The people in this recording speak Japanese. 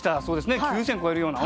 ９，０００超えるような。